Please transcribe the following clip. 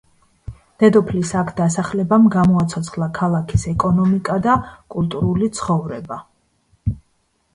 დედოფლის აქ დასახლებამ გამოაცოცხლა ქალაქის ეკონომიკა და კულტურული ცხოვრება.